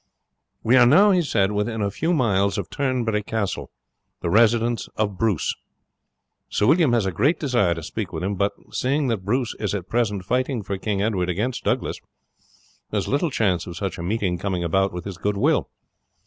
"We are now," he said, "within a few miles of Turnberry Castle, the residence of Bruce. Sir William has a great desire to speak with him; but, seeing that Bruce is at present fighting for King Edward against Douglas, there is little chance of such a meeting coming about with his goodwill.